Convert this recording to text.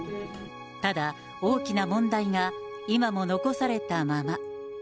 ただ、大きな問題が今も残されたまま。